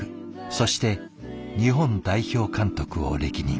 そして日本代表監督を歴任。